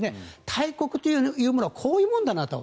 大国というものはこういうものだなと。